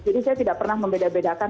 jadi saya tidak pernah membeda bedakan